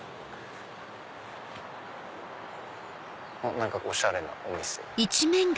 何かおしゃれなお店。